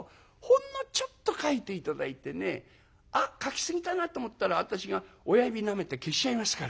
ほんのちょっと描いて頂いてねあっ描きすぎたなと思ったら私が親指なめて消しちゃいますから」。